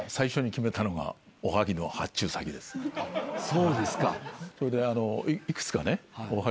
そうですか。